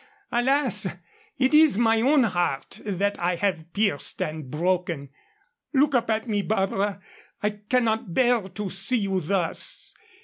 Alas! it is my own heart that I have pierced and broken. Look up at me, Barbara. I cannot bear to see you thus.